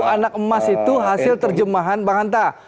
sepuluh anak emas itu hasil terjemahan bang hanta